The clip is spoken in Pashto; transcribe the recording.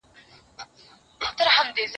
له خوارۍ ژرنده چلوي، له خياله مزد نه اخلي.